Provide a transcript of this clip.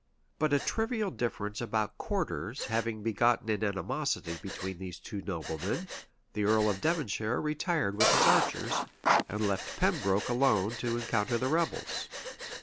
But a trivial difference about quarters having begotten an animosity between these two noblemen, the earl of Devonshire retired with his archers, and left Pembroke alone to encounter the rebels.